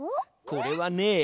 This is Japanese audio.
これはね